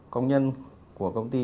công nhân của công ty